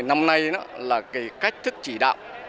năm nay là cái cách thức chỉ đạo